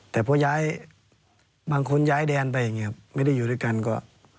แต่พอย้ายบางคนย้ายแดนไปอย่างนี้ครับไม่ได้อยู่ด้วยกันก็